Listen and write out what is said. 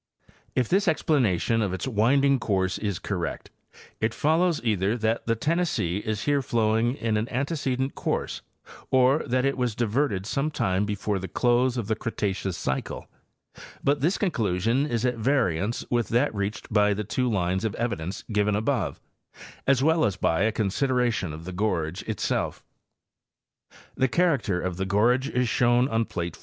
If this explana tion of its winding course is correct, it follows either that the Tennessee is here flowing in an antecedent course or that it was diverted some time before the close of the Cretaceous cycle; but this conclusion is at variance with that reached by the two lines of evidence given above, as well as by a consideration of the gorge itself. The character of the gorge is shown on plate 4.